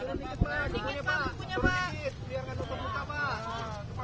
bojit langganan dikit pak